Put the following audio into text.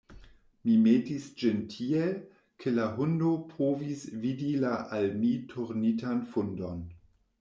Mi metis ĝin tiel, ke la hundo povis vidi la al mi turnitan fundon.